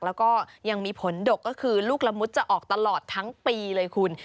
แล้วก็ยังมีผลดกก็คือลูกละมุดจะออกตลอดทั้งปีเลยคุณ